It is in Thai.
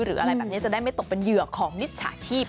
หรืออะไรแบบนี้จะได้ไม่ตกเป็นเหยื่อของมิจฉาชีพ